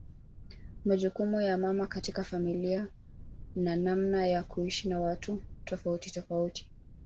Majukumu ya mama katika familia na namna ya kuishi na watu tofauti tofauti